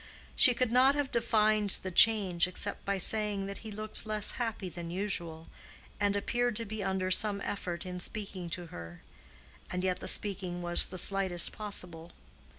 She could not have defined the change except by saying that he looked less happy than usual, and appeared to be under some effort in speaking to her. And yet the speaking was the slightest possible.